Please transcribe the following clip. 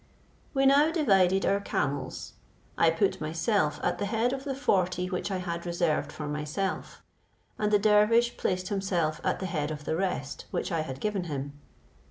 We now divided our camels. I put myself at the head of the forty which I had reserved for myself, and the dervish placed himself at the head of the rest which I had given him.